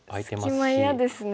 隙間嫌ですね。